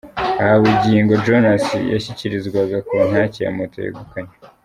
Aha Bugingo Jonas yashyikirizwaga Kontaki ya moto yegukanye.